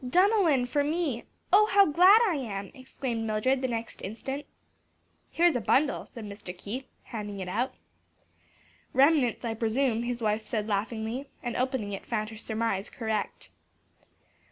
"'Dunallan' for me! oh how glad I am!" exclaimed Mildred the next instant. "Here's a bundle," said Mr. Keith, handing it out. "Remnants, I presume," his wife said laughingly, and opening it found her surmise correct.